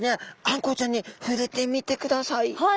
あんこうちゃんにふれてみてください。